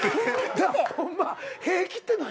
ホンマ「平気」って何？